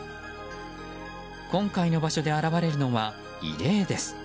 今回の場所で現れるのは異例です。